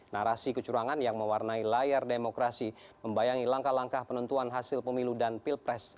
narasi kecurangan yang mewarnai layar demokrasi membayangi langkah langkah penentuan hasil pemilu dan pilpres